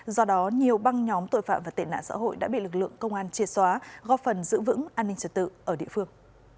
do đó nhiều băng nhóm tội phạm và tệ nạn xã hội đã bị lực lượng công an chia xóa góp phần giữ vững an ninh trật tự ở địa phương